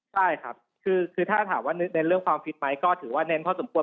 ใช่ครับคือถ้าถามว่าเน้นเรื่องความฟิตไหมก็ถือว่าเน้นพอสมควร